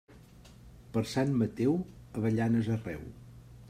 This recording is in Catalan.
Per Sant Mateu, avellanes arreu.